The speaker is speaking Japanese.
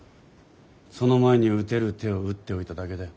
その前に打てる手を打っておいただけだよ。